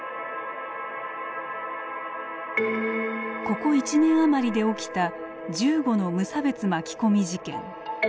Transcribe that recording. ここ１年余りで起きた１５の無差別巻き込み事件。